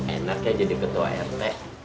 enak ya jadi ketua rt